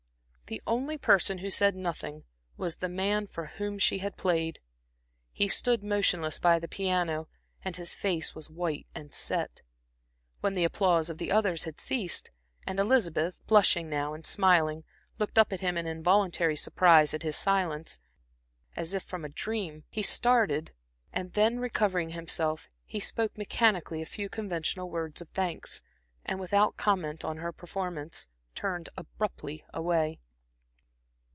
The only person who said nothing was the man for whom she had played. He stood motionless by the piano, and his face was white and set. When the applause of the others had ceased, and Elizabeth, blushing now and smiling, looked up at him in involuntary surprise at his silence as if from a dream, he started and then, recovering himself, he spoke mechanically a few conventional words of thanks, and without comment on her performance, turned abruptly away.